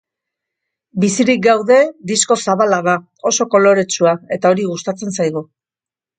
Bizirik gaude disko zabala da, oso koloretsua, eta hori gustatzen zaigu.